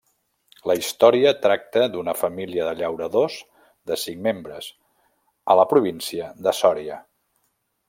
La història tracta d'una família de llauradors de cinc membres, a la província de Sòria.